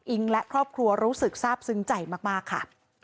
และครอบครัวรู้สึกทราบซึ้งใจมากค่ะ